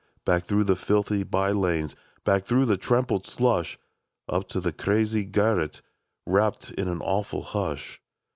" Back, through the filthy by lanes ! Back, through the trampled slush ! Up to the crazy garret. Wrapped in an awful hush.